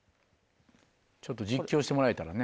ちょっと実況してもらえたらね。